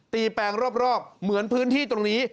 แปลงรอบเหมือนพื้นที่ตรงนี้